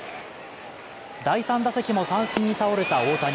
第３打席も三振に倒れた大谷。